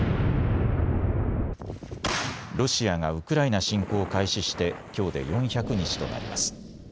ロシアがウクライナ侵攻を開始してきょうで４００日となります。